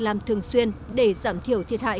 làm thường xuyên để giảm thiểu thiệt hại